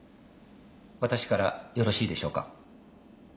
私からよろしいでしょうか。